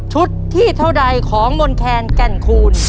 ชุดที่เท่าดายของบนแครนแก่นคูณ